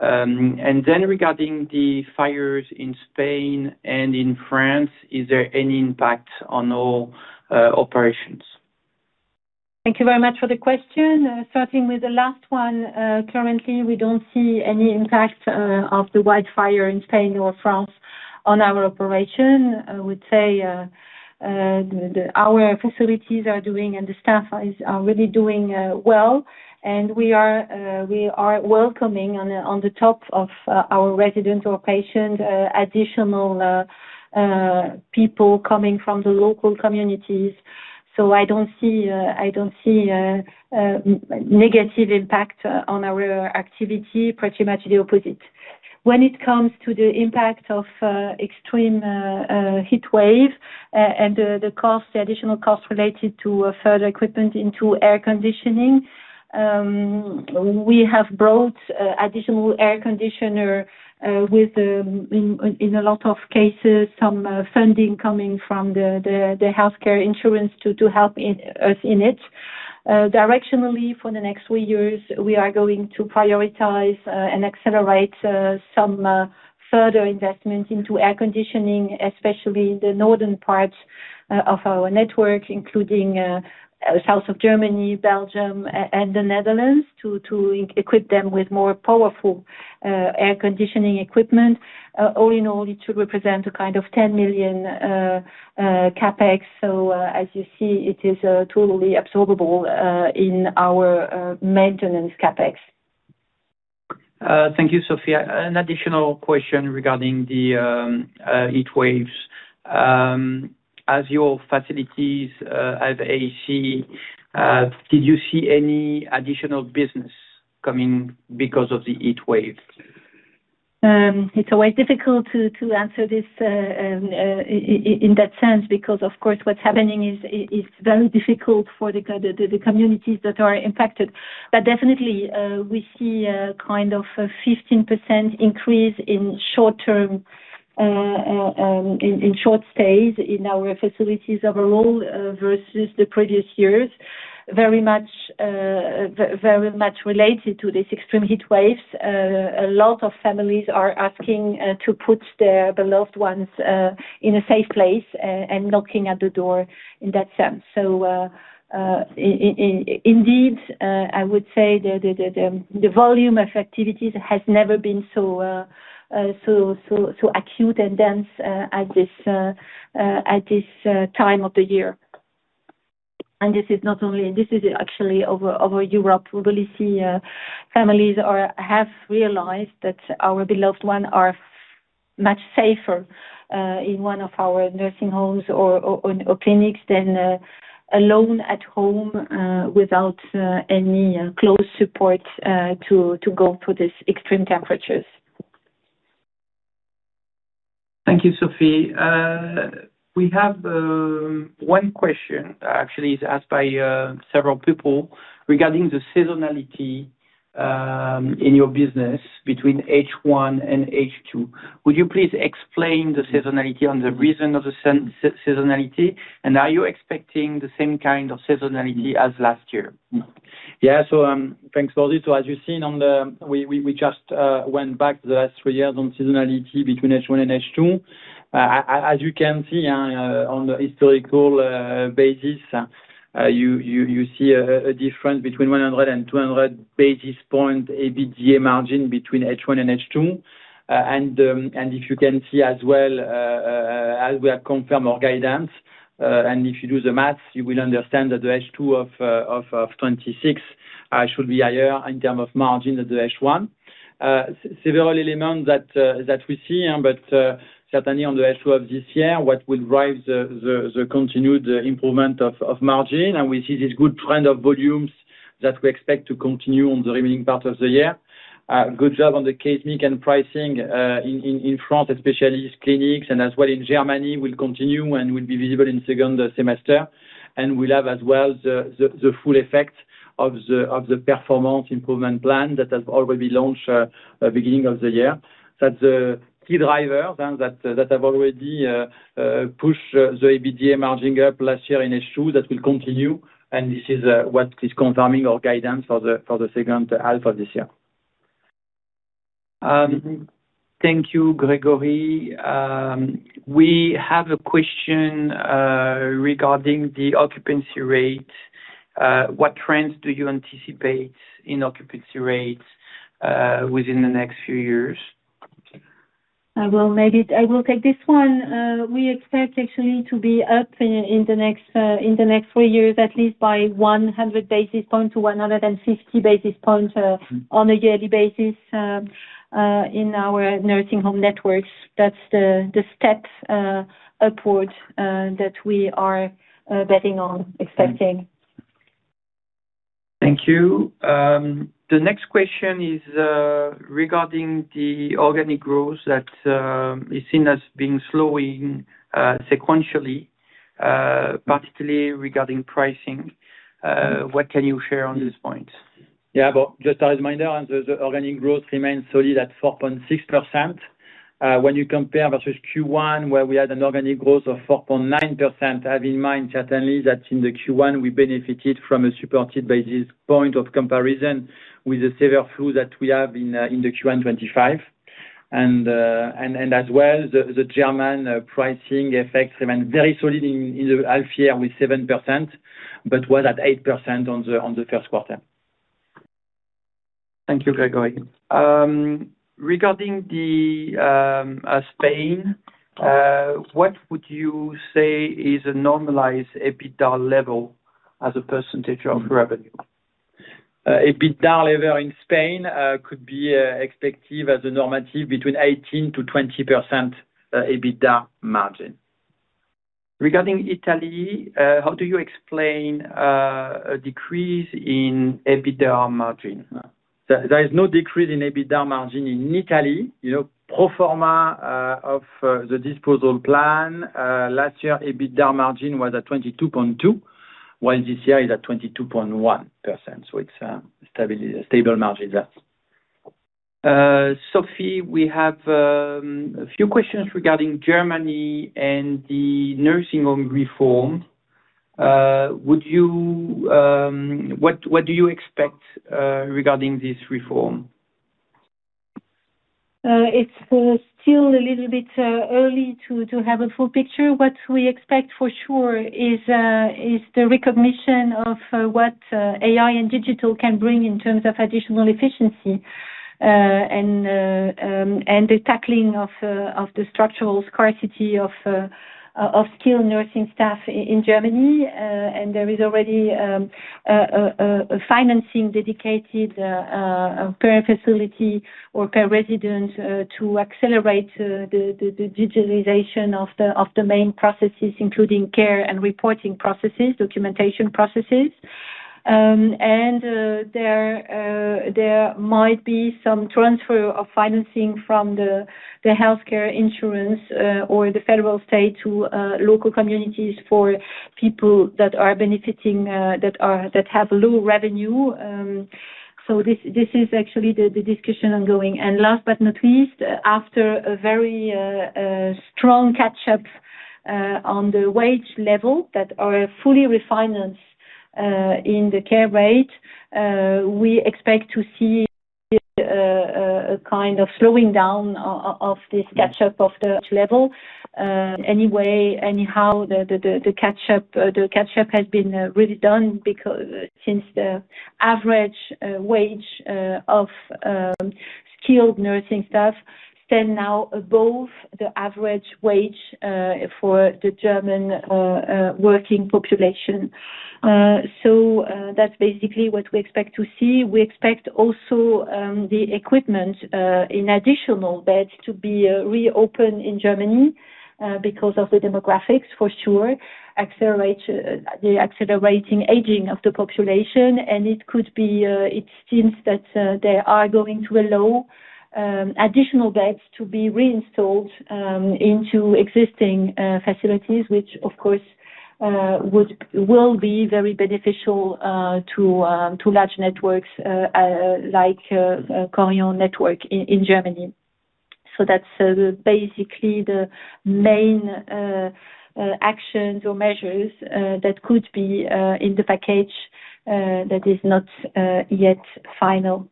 Regarding the fires in Spain and in France, is there any impact on all operations? Thank you very much for the question. Starting with the last one, currently, we don't see any impact of the wildfire in Spain or France on our operation. I would say our facilities are doing, and the staff is really doing well, and we are welcoming on the top of our resident or patient, additional people coming from the local communities. I don't see a negative impact on our activity, pretty much the opposite. When it comes to the impact of extreme heatwave, and the additional cost related to further equipment into air conditioning, we have brought additional air conditioning with, in a lot of cases, some funding coming from the health care insurance to help us in it. Directionally, for the next three years, we are going to prioritize and accelerate some further investments into air conditioning, especially the northern parts of our network, including south of Germany, Belgium, and the Netherlands to equip them with more powerful air conditioning equipment. All in all, it should represent a kind of 10 million CapEx. As you see, it is totally absorbable in our maintenance CapEx. Thank you, Sophie. An additional question regarding the heatwaves. As your facilities have AC, did you see any additional business coming because of the heatwaves? It's always difficult to answer this in that sense because, of course, what's happening is very difficult for the communities that are impacted. Definitely, we see a kind of 15% increase in short stays in our facilities overall versus the previous years, very much related to this extreme heatwaves. A lot of families are asking to put their beloved ones in a safe place, and knocking at the door in that sense. Indeed, I would say the volume of activities has never been so acute and dense at this time of the year. This is actually over Europe. We really see families have realized that our beloved ones are much safer in one of our nursing homes or clinics than alone at home without any close support to go through these extreme temperatures. Thank you, Sophie. We have one question, actually it is asked by several people regarding the seasonality in your business between H1 and H2. Would you please explain the seasonality and the reason of the seasonality, are you expecting the same kind of seasonality as last year? Yeah. Thanks for this. As you've seen, we just went back the last three years on seasonality between H1 and H2. As you can see on the historical basis, you see a difference between 100 and 200 basis point EBITDA margin between H1 and H2. If you can see as well, as we have confirmed our guidance, if you do the maths, you will understand that the H2 of 2026 should be higher in term of margin than the H1. Several elements that we see, certainly on the H2 of this year, what will drive the continued improvement of margin, we see this good trend of volumes that we expect to continue on the remaining part of the year. Good job on the case mix and pricing in France, especially clinics and as well in Germany, will continue and will be visible in second semester. We'll have as well the full effect of the performance improvement plan that has already been launched beginning of the year. That the key drivers that have already pushed the EBITDA margin up last year in H2, that will continue, this is what is confirming our guidance for the second half of this year. Thank you, Grégory. We have a question regarding the occupancy rate. What trends do you anticipate in occupancy rates within the next few years? I will take this one. We expect actually to be up in the next three years, at least by 100 basis points to 150 basis points on a yearly basis in our nursing home networks. That's the steps upward that we are betting on expecting. Thank you. The next question is regarding the organic growth that is seen as being slowing sequentially, particularly regarding pricing. What can you share on this point? Just a reminder, the organic growth remains solid at 4.6%. When you compare versus Q1, where we had an organic growth of 4.9%, have in mind certainly that in the Q1 we benefited from a supported basis point of comparison with the severe flu that we have in the Q1 2025. As well, the German pricing effects remain very solid in the half year with 7%, but was at 8% on the first quarter. Thank you, Grégory. Regarding Spain, what would you say is a normalized EBITDA level as a percentage of revenue? EBITDA level in Spain could be expected as a normative between 18%-20% EBITDA margin. Regarding Italy, how do you explain a decrease in EBITDA margin? There is no decrease in EBITDA margin in Italy. Pro forma of the disposal plan, last year EBITDA margin was at 22.2%, while this year is at 22.1%. It's a stable margin there. Sophie, we have a few questions regarding Germany and the nursing home reform. What do you expect regarding this reform? It's still a little bit early to have a full picture. What we expect for sure is the recognition of what AI and digital can bring in terms of additional efficiency, and the tackling of the structural scarcity of skilled nursing staff in Germany. There is already a financing dedicated per facility or per resident to accelerate the digitalization of the main processes, including care and reporting processes, documentation processes. There might be some transfer of financing from the healthcare insurance or the federal state to local communities for people that have low revenue. This is actually the discussion ongoing. Last but not least, after a very strong catch-up on the wage level that are fully refinanced in the care rate, we expect to see a kind of slowing down of this catch-up of the wage level. Any way, anyhow, the catch-up has been really done since the average wage of skilled nursing staff stand now above the average wage for the German working population. That's basically what we expect to see. We expect also the equipment in additional beds to be reopened in Germany because of the demographics for sure, the accelerating aging of the population, and it seems that they are going to allow additional beds to be reinstalled into existing facilities, which, of course, will be very beneficial to large networks like Korian network in Germany. That's basically the main actions or measures that could be in the package that is not yet final.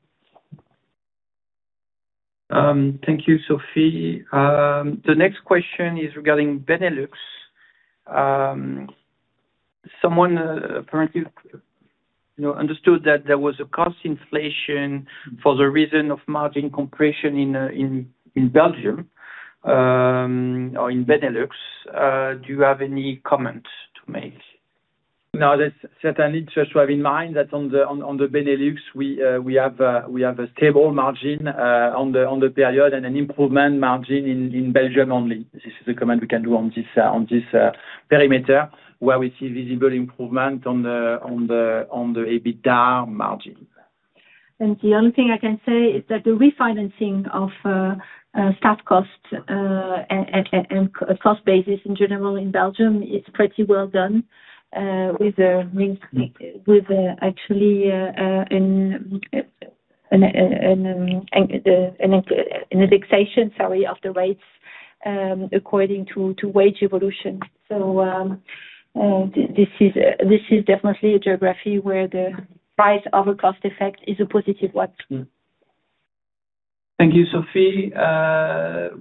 Thank you, Sophie. The next question is regarding Benelux. Someone apparently understood that there was a cost inflation for the reason of margin compression in Belgium or in Benelux. Do you have any comments to make? That's certainly just to have in mind that on the Benelux, we have a stable margin on the period and an improvement margin in Belgium only. This is a comment we can do on this perimeter where we see visible improvement on the EBITDA margin. The only thing I can say is that the refinancing of staff cost and cost basis in general in Belgium is pretty well done with actually an indexation of the rates according to wage evolution. This is definitely a geography where the price-over-cost effect is a positive one. Thank you, Sophie.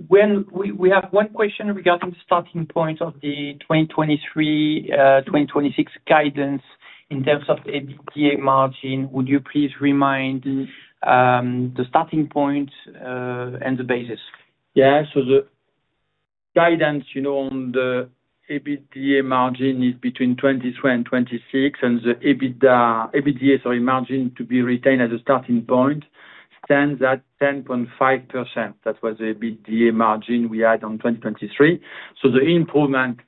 We have one question regarding the starting point of the 2023/2026 guidance in terms of the EBITDA margin. Would you please remind the starting point and the basis? The guidance on the EBITDA margin is between 2023 and 2026, and the EBITDA margin to be retained as a starting point stands at 10.5%. That was the EBITDA margin we had on 2023. The improvement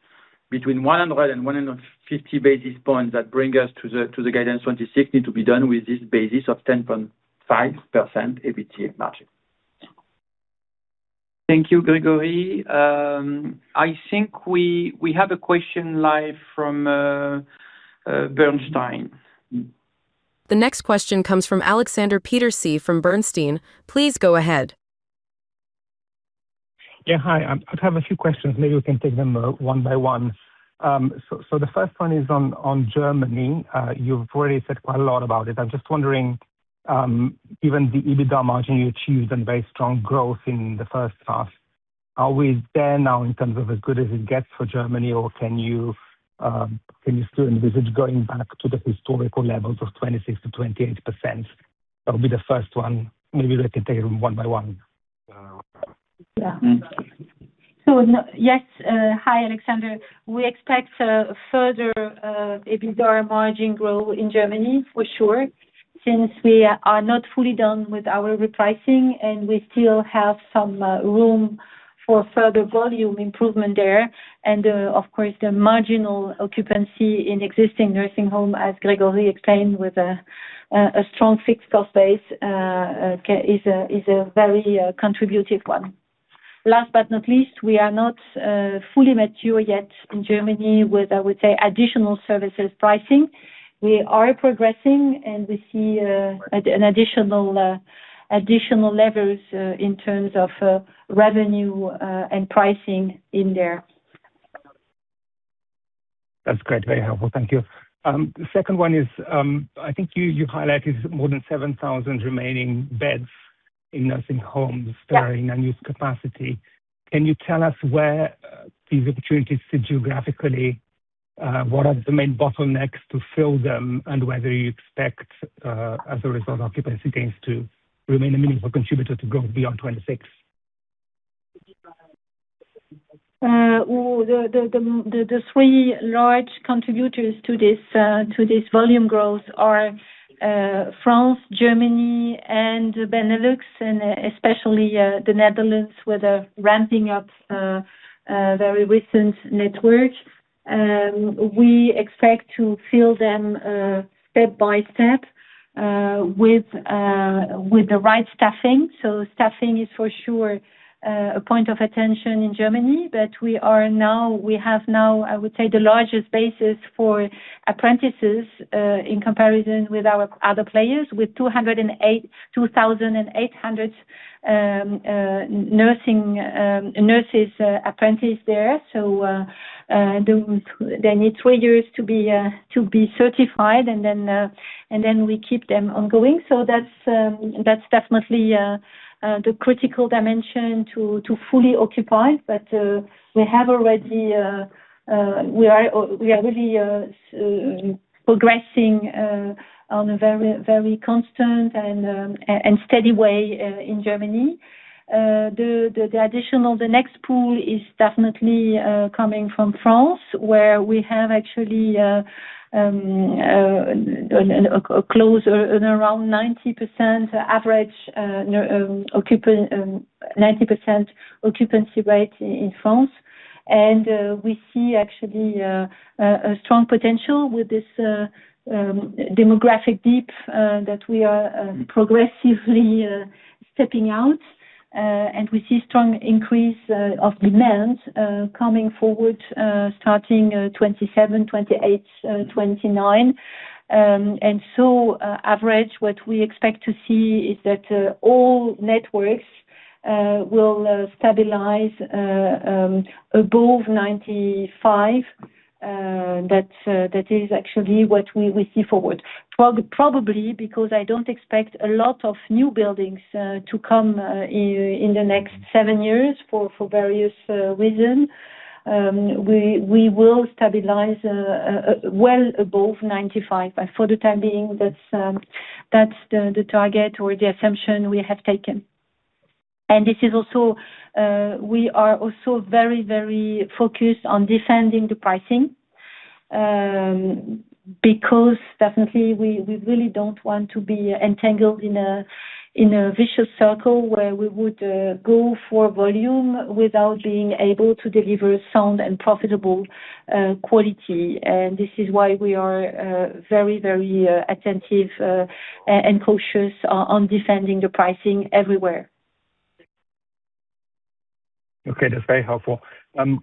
between 100 and 150 basis points that bring us to the guidance 2026 need to be done with this basis of 10.5% EBITDA margin. Thank you, Grégory. I think we have a question live from Bernstein. The next question comes from Aleksander Peterc from Bernstein. Please go ahead. Yeah. Hi, I have a few questions. Maybe we can take them one by one. The first one is on Germany. You've already said quite a lot about it. I'm just wondering, given the EBITDA margin you achieved and very strong growth in the first half, are we there now in terms of as good as it gets for Germany, or can you still envisage going back to the historical levels of 26%-28%? That would be the first one. Maybe we can take them one by one. Yeah. Yes. Hi, Aleksander. We expect a further EBITDA margin growth in Germany for sure, since we are not fully done with our repricing. We still have some room for further volume improvement there. Of course, the marginal occupancy in existing nursing homes, as Grégory explained, with a strong fixed cost base is a very contributive one. Last but not least, we are not fully mature yet in Germany with, I would say, additional services pricing. We are progressing. We see additional levers in terms of revenue and pricing in there. That's great. Very helpful. Thank you. The second one is, I think you highlighted more than 7,000 remaining beds in nursing homes. Yeah that are in unused capacity. Can you tell us where these opportunities sit geographically? What are the main bottlenecks to fill them, and whether you expect, as a result of occupancy gains, to remain a meaningful contributor to growth beyond 2026? The three large contributors to this volume growth are France, Germany and the Benelux, and especially the Netherlands, with a ramping up very recent network. We expect to fill them step by step with the right staffing. Staffing is for sure a point of attention in Germany, but we have now, I would say, the largest basis for apprentices in comparison with our other players, with 2,800 nurses apprentice there. They need two years to be certified, and then we keep them ongoing. That's definitely the critical dimension to fully occupy. We are really progressing on a very constant and steady way in Germany. The next pool is definitely coming from France, where we have actually a close around 90% occupancy rate in France, and we see actually a strong potential with this demographic dip that we are progressively stepping out. We see strong increase of demand coming forward starting 2027, 2028, 2029. Average, what we expect to see is that all networks will stabilize above 95%. That is actually what we see forward. Probably because I don't expect a lot of new buildings to come in the next seven years for various reasons. We will stabilize well above 95%. For the time being, that's the target or the assumption we have taken. We are also very focused on defending the pricing, because definitely we really don't want to be entangled in a vicious circle where we would go for volume without being able to deliver sound and profitable quality. This is why we are very attentive and cautious on defending the pricing everywhere. Okay, that's very helpful.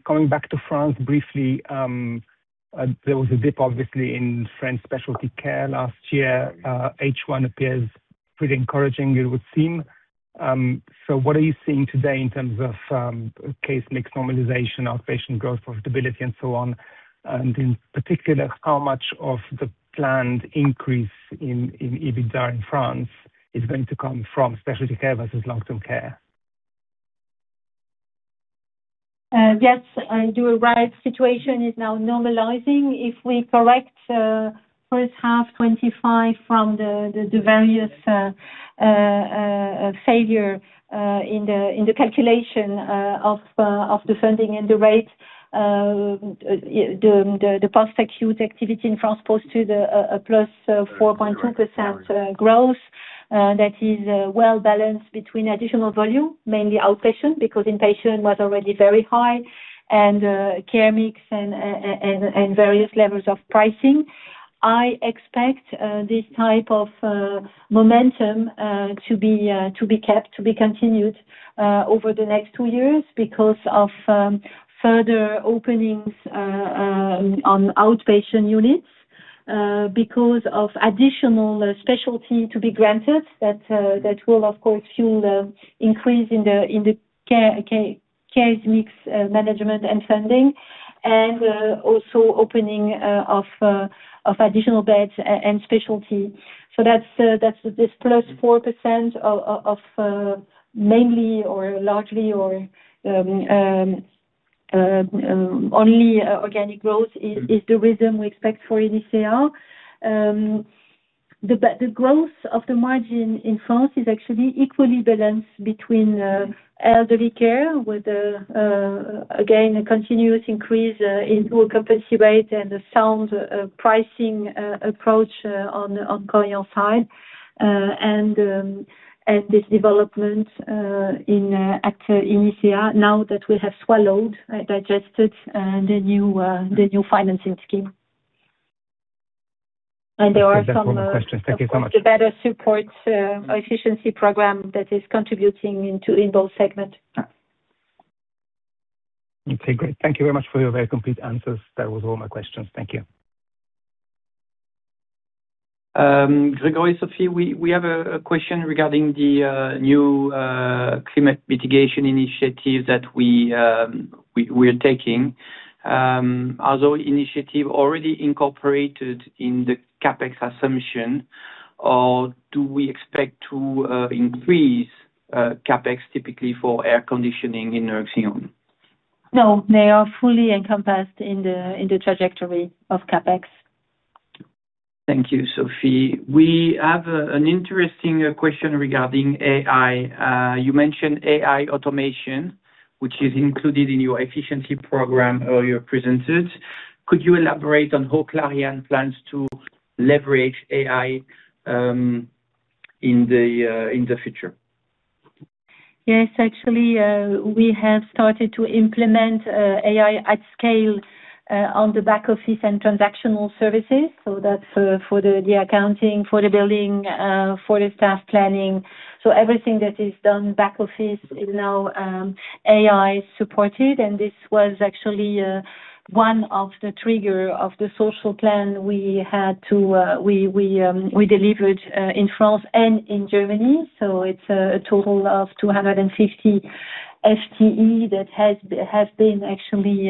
Coming back to France briefly. There was a dip, obviously, in French specialty care last year. H1 appears pretty encouraging it would seem. What are you seeing today in terms of case mix normalization, outpatient growth, profitability, and so on? In particular, how much of the planned increase in EBITDA in France is going to come from specialty care versus long-term care? Yes, you are right. Situation is now normalizing. If we correct first half 2025 from the various failure in the calculation of the funding and the rate, the post-acute activity in France posted a +4.2% growth that is well-balanced between additional volume, mainly outpatient, because inpatient was already very high, and care case mix and various levels of pricing. I expect this type of momentum to be continued over the next two years because of further openings on outpatient units. Because of additional specialty to be granted, that will of course fuel the increase in the care case mix management and funding, and also opening of additional beds and specialty. That's this +4% of mainly or largely or only organic growth is the rhythm we expect for Inicea. The growth of the margin in France is actually equally balanced between elderly care with, again, a continuous increase in overall capacity rate and the sound pricing approach on Korian side. This development at Inicea now that we have swallowed, digested the new financing scheme. There are some. That's all my questions. Thank you so much of course, the better support efficiency program that is contributing into in both segment. Okay, great. Thank you very much for your very complete answers. That was all my questions. Thank you. Grégory, Sophie, we have a question regarding the new climate mitigation initiatives that we're taking. Are those initiatives already incorporated in the CapEx assumption, or do we expect to increase CapEx typically for air conditioning in Roussillon? No, they are fully encompassed in the trajectory of CapEx. Thank you, Sophie. We have an interesting question regarding AI. You mentioned AI automation, which is included in your efficiency program earlier presented. Could you elaborate on how Clariane plans to leverage AI in the future? Yes, actually, we have started to implement AI at scale on the back office and transactional services, so that's for the accounting, for the billing, for the staff planning. Everything that is done back office is now AI supported, and this was actually one of the trigger of the social plan we delivered in France and in Germany. It's a total of 250 FTE that has been actually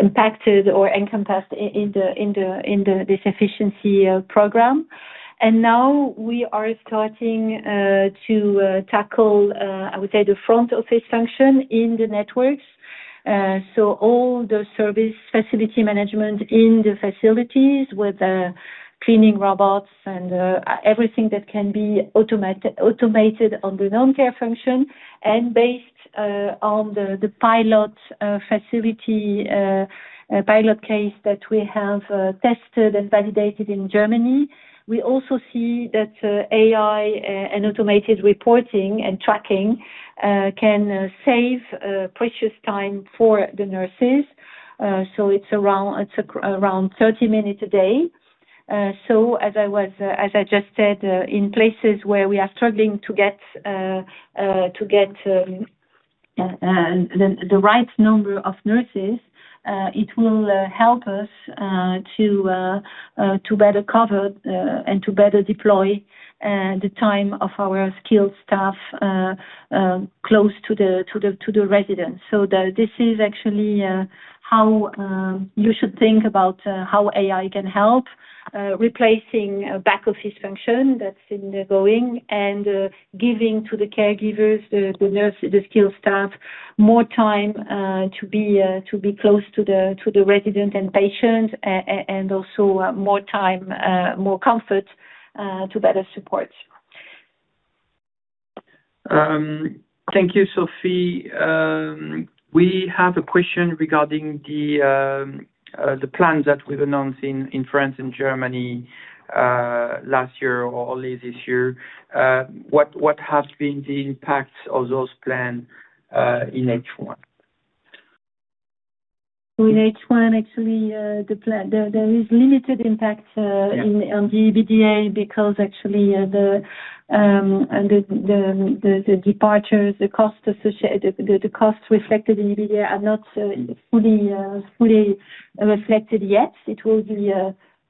impacted or encompassed in this efficiency program. Now we are starting to tackle, I would say, the front office function in the networks. All the service facility management in the facilities with cleaning robots and everything that can be automated on the non-care function. Based on the pilot facility pilot case that we have tested and validated in Germany, we also see that AI and automated reporting and tracking can save precious time for the nurses. It's around 30 minutes a day. As I just said, in places where we are struggling to get the right number of nurses, it will help us to better cover and to better deploy the time of our skilled staff close to the residents. This is actually how you should think about how AI can help, replacing back office function that's in the going and giving to the caregivers, the nurse, the skilled staff, more time to be close to the resident and patient, and also more time, more comfort to better support. Thank you, Sophie. We have a question regarding the plans that we've announced in France and Germany last year or early this year. What has been the impact of those plan in H1? In H1, actually, there is limited impact. Yeah on the EBITDA because actually the departures, the cost reflected in EBITDA are not fully reflected yet. It will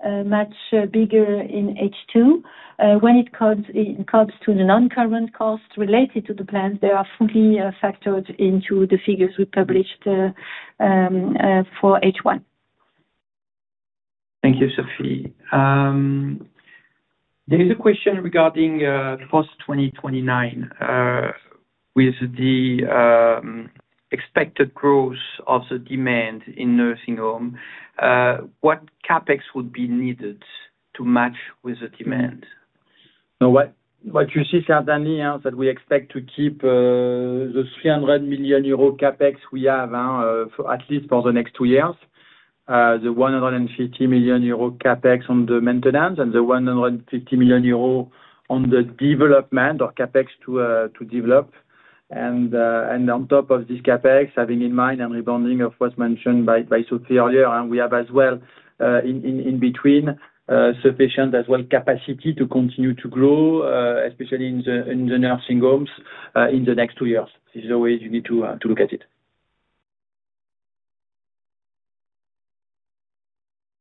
be much bigger in H2. When it comes to the non-current costs related to the plans, they are fully factored into the figures we published for H1. Thank you, Sophie. There is a question regarding post-2029. With the expected growth of the demand in nursing home, what CapEx would be needed to match with the demand? What you see there, (inaudible) that we expect to keep those 300 million euro CapEx we have at least for the next two years, the 150 million euro CapEx on the maintenance and the 150 million euro on the development of CapEx to develop. On top of this CapEx, having in mind and rebounding of what's mentioned by Sophie earlier, we have as well in between, sufficient as well capacity to continue to grow, especially in the nursing homes in the next two years. This is the way you need to look at it.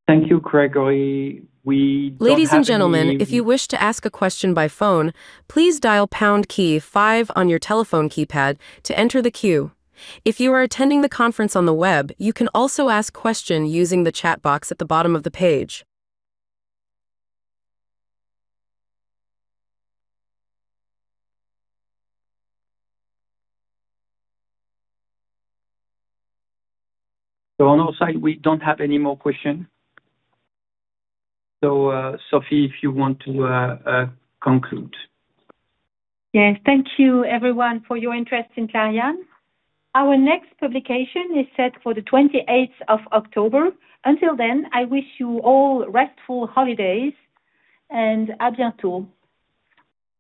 Thank you, Grégory. We don't have any. Ladies and gentlemen, if you wish to ask a question by phone, please dial pound key five on your telephone keypad to enter the queue. If you are attending the conference on the web, you can also ask question using the chat box at the bottom of the page. On our side, we don't have any more question. Sophie, if you want to conclude. Yes. Thank you everyone for your interest in Clariane. Our next publication is set for the 28th of October. Until then, I wish you all restful holidays and bye.